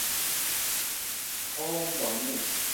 Hoomba mut.